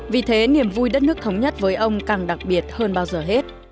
vì thế niềm vui đất nước thống nhất với ông càng đặc biệt hơn bao giờ hết